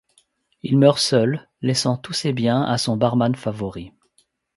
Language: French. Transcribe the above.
Il meurt seul, laissant tous ses biens à son barman favori.